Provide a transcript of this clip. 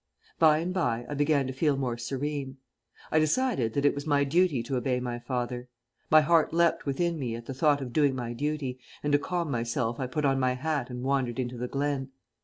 By and by I began to feel more serene. I decided that it was my duty to obey my father. My heart leapt within me at the thought of doing my duty, and to calm myself I put on my hat and wandered into the glen.